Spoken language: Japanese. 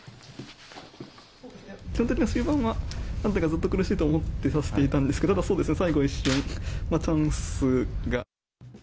ちょっと終盤は、なんだかずっと苦しいと思って指していたんですけど、そうですね、最後一瞬、チャンスが。